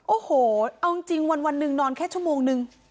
โอ้โหเอาจริงวันหนึ่งนอนแค่ชั่วโมงนึง